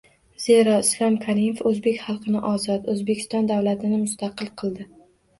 Zero, Islom Karimov o‘zbek xalqini ozod, O‘zbekiston davlatini mustaqil qildi